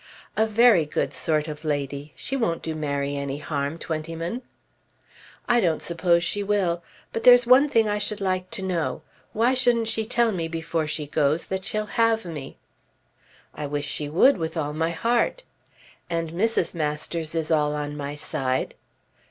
"A very good sort of lady. She won't do Mary any harm, Twentyman." "I don't suppose she will. But there's one thing I should like to know. Why shouldn't she tell me before she goes that she'll have me?" "I wish she would with all my heart." "And Mrs. Masters is all on my side."